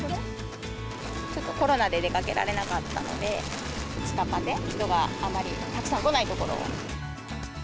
ちょっとコロナで出かけられなかったので、近場で人があまりたくさん来ない所に。